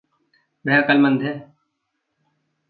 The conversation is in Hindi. वह अकलमंद है।